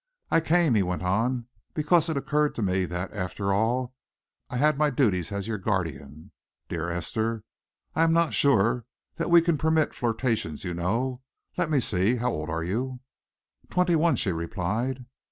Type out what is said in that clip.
"I came," he went on, "because it occurred to me that, after all, I had my duties as your guardian, dear Esther. I am not sure that we can permit flirtations, you know. Let me see, how old are you?" "Twenty one," she replied.